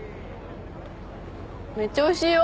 めっちゃおいしいよ。